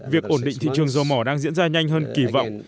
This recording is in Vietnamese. việc ổn định thị trường dầu mỏ đang diễn ra nhanh hơn kỳ vọng